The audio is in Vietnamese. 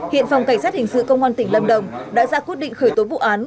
hiện phòng cảnh sát hình sự công an tỉnh lâm đồng đã ra quyết định khởi tố vụ án